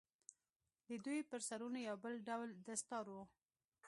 د دوى پر سرونو يو بل ډول دستار و.